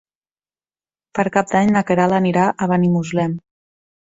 Per Cap d'Any na Queralt anirà a Benimuslem.